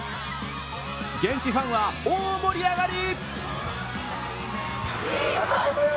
現地ファンは大盛り上がり。